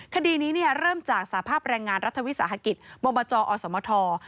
คดีนี้เริ่มจากสภาพแรงงานรัฐวิสาหกิจบจอสมท